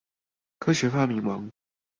科學發明王